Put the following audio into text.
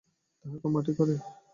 তাহাকে মাটি করো।